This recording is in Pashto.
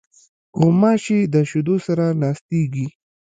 غوماشې د شیدو سره ناستېږي.